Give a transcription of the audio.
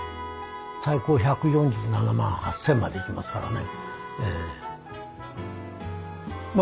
最高１４７万８，０００までいきますからね。